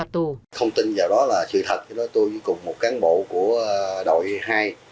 tôi cùng một cán bộ của đội hai